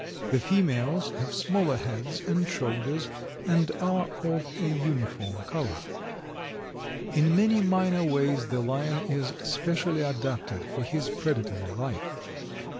The females have smaller heads and shoulders and are of a uniform color. In many minor ways the Lion is specially adapted for his predatory life.